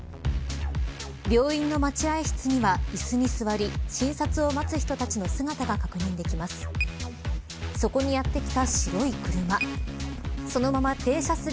病院の待合室には椅子に座り診察を待つ人たちの姿が確認できます。